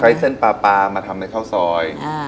เส้นปลาปลามาทำในข้าวซอย